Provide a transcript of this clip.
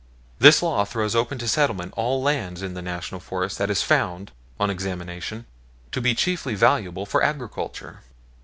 This law throws open to settlement all land in the National Forests that is found, on examination, to be chiefly valuable for agriculture.